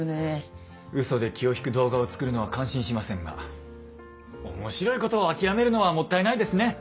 うそで気を引く動画を作るのは感心しませんが面白いことを諦めるのはもったいないですね。